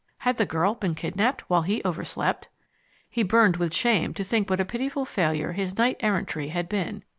Had the girl been kidnapped while he overslept? He burned with shame to think what a pitiful failure his knight errantry had been.